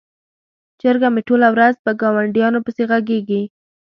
چرګه مې ټوله ورځ په ګاونډیانو پسې غږیږي.